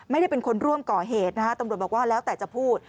ไม่ได้เป็นคนร่วมก่อเหตุนะฮะตำรวจบอกว่าแล้วแต่จะพูด